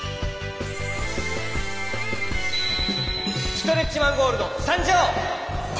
ストレッチマン・ゴールドさんじょう！